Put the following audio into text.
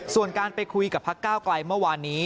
ส่วนการไปคุยกับพักก้าวไกลเมื่อวานนี้